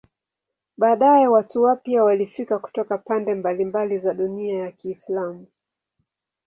Baadaye watu wapya walifika kutoka pande mbalimbali za dunia ya Kiislamu.